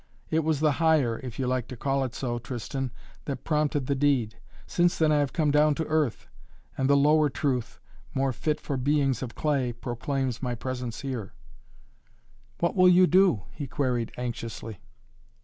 It was the higher, if you like to call it so, Tristan, that prompted the deed. Since then I have come down to earth, and the lower truth, more fit for beings of clay, proclaims my presence here " "What will you do?" he queried anxiously.